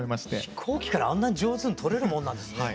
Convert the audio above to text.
飛行機からあんな上手に撮れるもんなんですね。